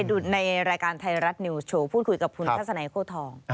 ดูในรายการไทยรัฐนิวส์โชว์พูดคุยกับคุณทัศนัยโค้ทอง